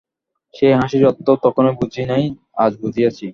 সে হাসির অর্থ তখন বুঝি নাই, আজ বুঝিয়াছি।